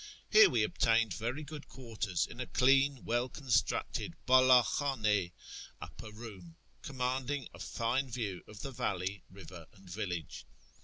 Here we obtained very good quarters in a clean, well constructed hdld khdn6 (upper room), commanding a fine view of the valley, river, and village.